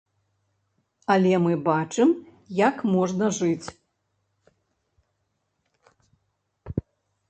Але мы бачым, як можна жыць.